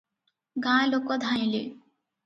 ଗାଁ ଲୋକ ଧାଇଁଲେ ।